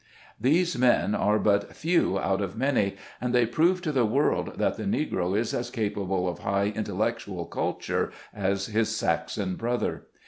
These men are but few out of many, and they prove to the world that the negro is as capable of high intellectual culture as his Saxon brother.